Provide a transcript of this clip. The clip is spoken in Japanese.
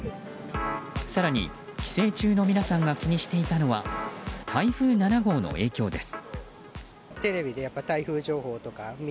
更に、帰省中の皆さんが気にしていたのは台風７号の影響です。